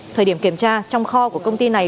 thời điểm kiểm tra trong kho của công ty này